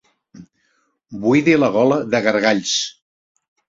Buidi la gola de gargalls.